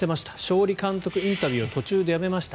勝利監督インタビューを途中でやめました。